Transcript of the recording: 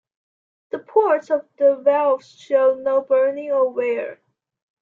The ports of the valves showed no burning or wear.